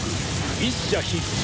「一射必中」。